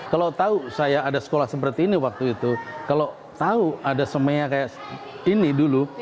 kalau tahu saya ada sekolah seperti ini waktu itu kalau tahu ada semea kayak ini dulu